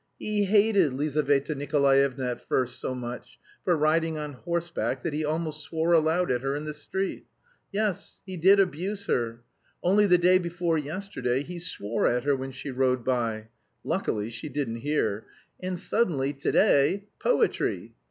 He hated Lizaveta Nikolaevna at first so much, for riding on horseback that he almost swore aloud at her in the street. Yes, he did abuse her! Only the day before yesterday he swore at her when she rode by luckily she didn't hear. And, suddenly, to day poetry!